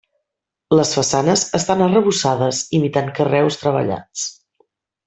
Les façanes estan arrebossades imitant carreus treballats.